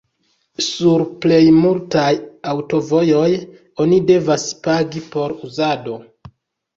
Sur plej multaj aŭtovojoj oni devas pagi por uzado.